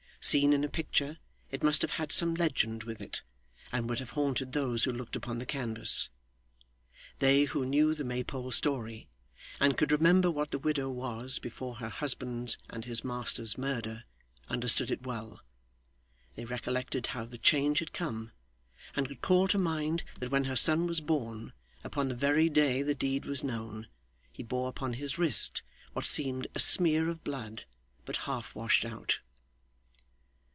Seen in a picture, it must have had some legend with it, and would have haunted those who looked upon the canvas. They who knew the Maypole story, and could remember what the widow was, before her husband's and his master's murder, understood it well. They recollected how the change had come, and could call to mind that when her son was born, upon the very day the deed was known, he bore upon his wrist what seemed a smear of blood but half washed out.